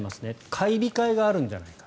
買い控えがあるんじゃないか。